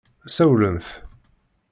Sawlent.